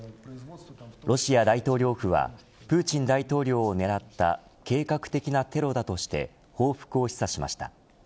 ロシア大統領府はプーチン大統領を狙った計画的なテロだとして報復を示唆しました。